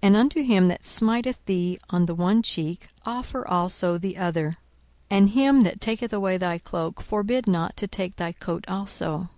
42:006:029 And unto him that smiteth thee on the one cheek offer also the other; and him that taketh away thy cloak forbid not to take thy coat also.